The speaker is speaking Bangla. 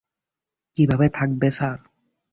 কিভাবে থাকবে, স্যার?